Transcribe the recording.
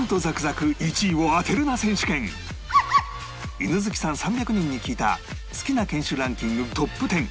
犬好きさん３００人に聞いた好きな犬種ランキングトップ１０